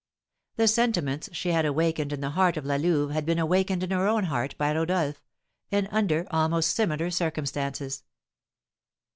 The sentiments she had awakened in the heart of La Louve had been awakened in her own heart by Rodolph, and under almost similar circumstances.